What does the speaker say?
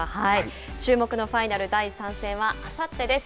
注目のファイナル第３戦はあさってです。